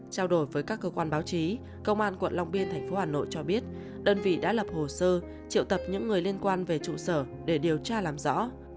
trao đổi với các cơ quan báo chí công an quận long biên tp hà nội cho biết đơn vị đã lập hồ sơ triệu tập những người liên quan về trụ sở để điều tra làm rõ